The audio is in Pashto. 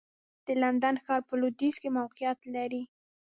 د لندن ښار په لوېدیځ کې موقعیت لري.